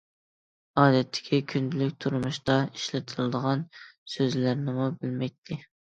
ئادەتتىكى كۈندىلىك تۇرمۇشتا ئىشلىتىلىدىغان سۆزلەرنىمۇ بىلمەيتتى.